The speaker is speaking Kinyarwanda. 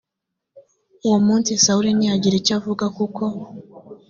uwo munsi sawuli ntiyagira icyo avuga kuko